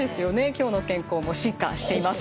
「きょうの健康」も進化しています